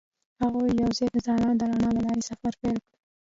هغوی یوځای د ځلانده رڼا له لارې سفر پیل کړ.